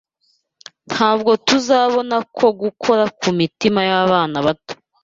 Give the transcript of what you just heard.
ntabwo tuzabona ko gukora ku mitima y’abana bato